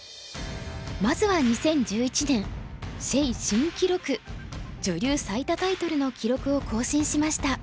まずは２０１１年謝新記録女流最多タイトルの記録を更新しました。